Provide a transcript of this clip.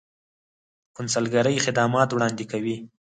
کونسلګرۍ خدمات وړاندې کوي